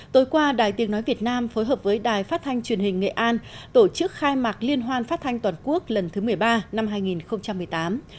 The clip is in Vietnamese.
tối qua đài tiếng nói việt nam phối hợp với đài phát thanh truyền hình nghệ an tổ chức khai mạc liên hoan phát thanh toàn quốc lần thứ một mươi ba năm hai nghìn một mươi tám